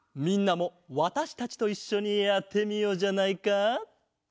みんなもわたしたちといっしょにやってみようじゃないか！